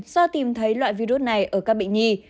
các loại virus này ở các bệnh nhi